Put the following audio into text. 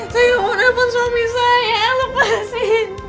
saya tidak mau telepon suami saya lepasin